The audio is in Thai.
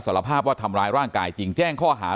สารภาพว่าทำร้ายร่างกายจริงแจ้งข้อหา